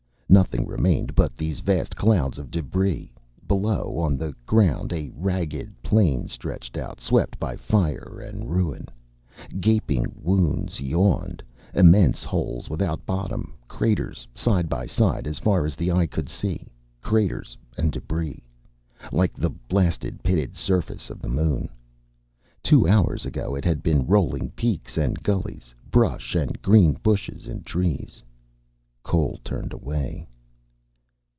Nothing remained but these vast clouds of debris. Below, on the ground, a ragged plain stretched out, swept by fire and ruin. Gaping wounds yawned, immense holes without bottom, craters side by side as far as the eye could see. Craters and debris. Like the blasted, pitted surface of the moon. Two hours ago it had been rolling peaks and gulleys, brush and green bushes and trees. Cole turned away.